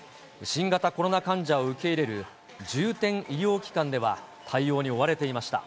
新型コロナ患者を受け入れる重点医療機関では、対応に追われていました。